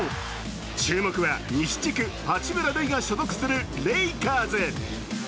注目は西地区、八村塁が所属するレイカーズ。